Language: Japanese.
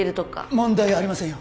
問題ありませんよ